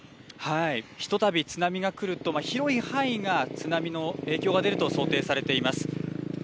ひとたび津波が来ると広い範囲が津波の影響が出ると想定されています。